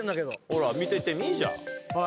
ほら見ててみじゃあ。